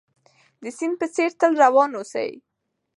د سيند په څېر تل روان اوسئ.